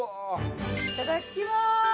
いただきます。